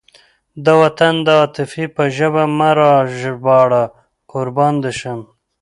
د وطن د عاطفې په ژبه مه راژباړه قربان دې شم.